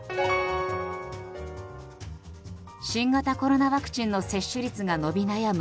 新型コロナワクチンの接種率が伸び悩む